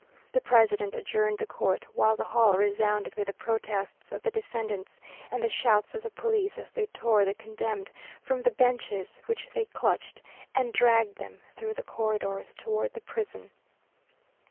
The President adjourned the court while the hall resounded with the protests of the defendants and the shouts of the police as they tore the condemned from the benches which they clutched and dragged them through the corridors toward the prison.